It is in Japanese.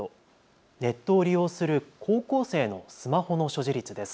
ネットを利用する高校生のスマホの所持率です。